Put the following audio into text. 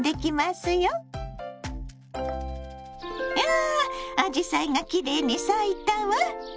わあアジサイがきれいに咲いたわ。